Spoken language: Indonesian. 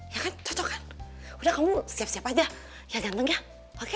ya kan cocok kan udah kamu siap siap aja ya ganteng ya oke